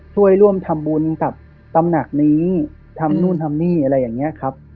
ช่วยร่วมทำบุญกับตำหนักนี้ทำนู่นทำนี่อะไรอย่างนี้ครับ